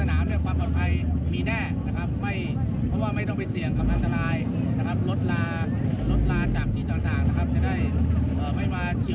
แล้วก็เป็นการทำความสุดร้อยด้วยกับชาวบ้านด้วย